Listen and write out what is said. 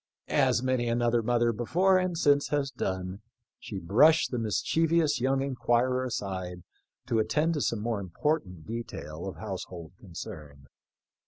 " As many another mother before and since has done, she brushed the mischievous young inquirer aside to attend to some more important detail of household concern.